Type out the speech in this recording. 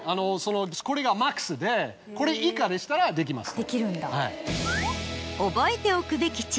これがマックスでこれ以下でしたらできます。